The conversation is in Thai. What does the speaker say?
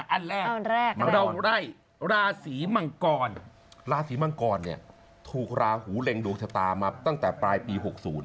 อันแรกนะเราไล่ราศีมังกรราศีมังกรเนี่ยถูกราหูเล็งดวงชะตามาตั้งแต่ปลายปี๖๐